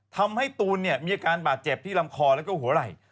ตูนมีอาการบาดเจ็บที่ลำคอแล้วก็หัวไหล่